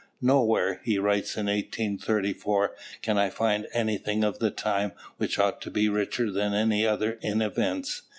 "Nowhere," he writes in 1834, "can I find anything of the time which ought to be richer than any other in events.